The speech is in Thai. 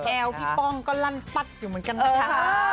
พี่ป้องก็ลั่นปัดอยู่เหมือนกันเลยนะคะ